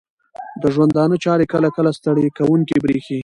د ژوندانه چارې کله کله ستړې کوونکې بریښې